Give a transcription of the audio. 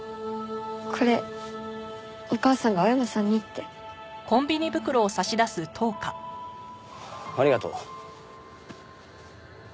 これお母さんが青山さんにって。ありがとう。